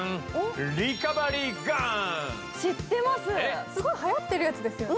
知ってます、すごいはやっているやつですよね。